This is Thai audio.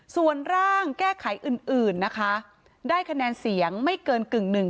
ส่วนร่างแก้ไขอื่นนะคะได้คะแนนเสียงไม่เกินกึ่งหนึ่ง